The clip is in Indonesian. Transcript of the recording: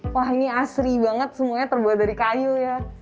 wah ini asri banget semuanya terbuat dari kayu ya